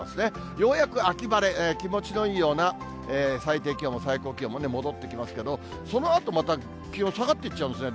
ようやく秋晴れ、気持ちのいいような最低気温、最高気温も戻ってきますけど、そのあとまた気温下がっていっちゃうんですね。